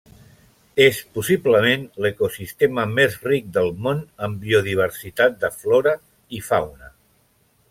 És possiblement l'ecosistema més ric del món en biodiversitat de flora i fauna.